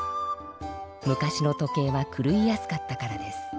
昔の時計はくるいやすかったからです。